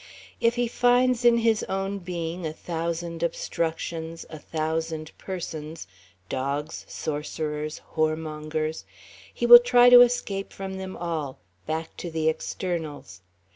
If he finds in his own being a thousand obstructions, a thousand persons, dogs, sorcerers, whoremongers, he will try to escape from them all, back to the externals.